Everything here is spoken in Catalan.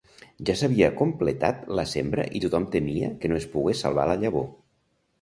Ja s'havia completat la sembra i tothom temia que no es pogués salvar la llavor.